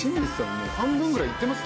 もう半分ぐらいいってますよ。